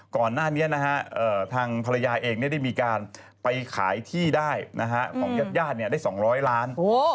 ก่อนหน้านี้ทางภรรยายเองได้มีการไปขายที่ได้ของยาดได้๒๐๐ล้าน